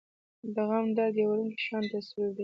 د غم درد يو وړوکے شان تصوير دے ۔